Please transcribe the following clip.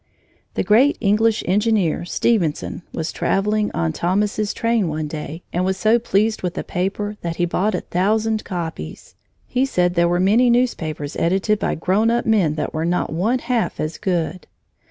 The great English engineer, Stephenson, was traveling on Thomas's train one day and was so pleased with the paper that he bought a thousand copies. He said there were many newspapers edited by grown up men that were not one half as good.